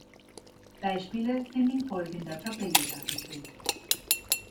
Beispiele sind in folgender Tabelle dargestellt.